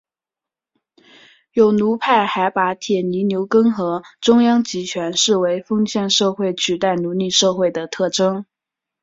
有奴派还把铁犁牛耕和中央集权视为封建社会取代奴隶社会的特征。